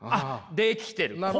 できてる！